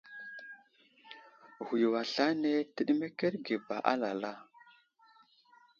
Ghwiyo aslane təɗemmakerge ba alala.